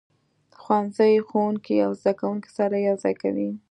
ښوونځی ښوونکي او زده کوونکي سره یو ځای کوي.